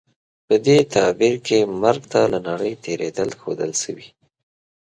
په دې تعبیر کې مرګ ته له نړۍ تېرېدل ښودل شوي.